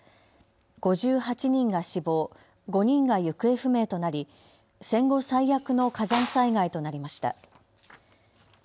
５８人が死亡、５人が行方不明となり戦後最悪の火山災害となりました。